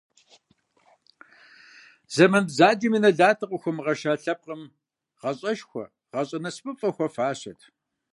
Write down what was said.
Зэман бзаджэм и нэлатым къыхуэмыгъэша лъэпкъым гъащӀэшхуэ, гъащӀэ насыпыфӀэ хуэфащэт.